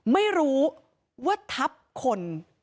ไม่รู้ว่าทับคน